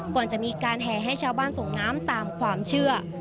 ก่อนจะมีการแห่ให้ชาวบ้านส่งน้ำตามความเชื่อ